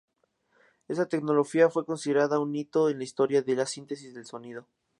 Esta tecnología fue considerada un "hito" en la historia de la síntesis de sonido.